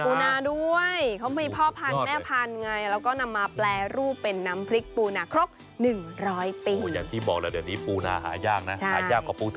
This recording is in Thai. ขายปูนาด้วยเขามีพ่อพันแม่พันไงแล้วก็นำมาแปลรูปเป็นน้ำพริกปูนาครบ๑๐๐ปิง